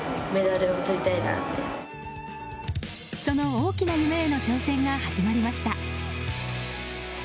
その大きな夢への挑戦が始まりました。